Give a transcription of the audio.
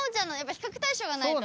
比較対象がないと。